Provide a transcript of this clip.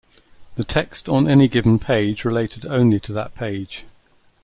The text on any given page related only to that page.